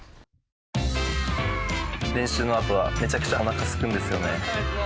練習のあとはめちゃくちゃおなかすくんですよね。